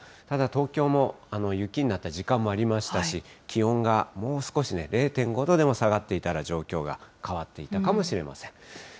ただ、東京も雪になった時間もありましたし、気温がもう少しね、０．５度でも下がっていたら状況が変わっていたかもしれません。